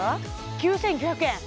９９００円？